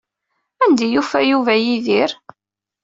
Anda ay d-yufa Yuba Yidir?